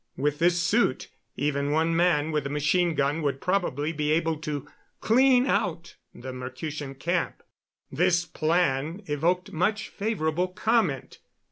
With this suit even one man with a machine gun would probably be able to clean out the Mercutian camp. This plan evoked much favorable comment.